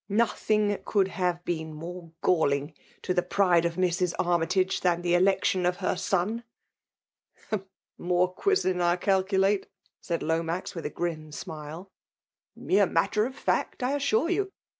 Nothing could have been more galling to the pride VOL. f. o 122 FfiMAI^ DOMINATION. of Mrs. Armyiage, titan the election of her »>More quizsing, I calculate," said Lomax nith a grim smile. " Mere matter of fact, I assure you.